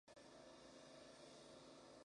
De ahí pasaría a la Compañía de Pepe Isbert.